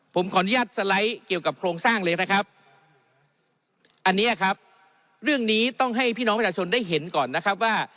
ผมขออนุญาตสไลด์เกี่ยวกับโครงสร้างเลยนะครับอันเนี้ยครับเรื่องนี้ต้องให้พี่น้องประชาชนได้เห็นก่อนนะครับว่า